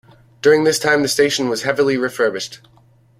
During this time the station was heavily refurbished.